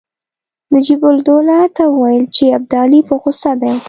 نجیب الدوله ته وویل چې ابدالي په غوسه دی.